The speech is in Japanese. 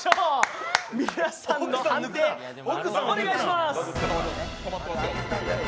皆さんの判定、お願いします！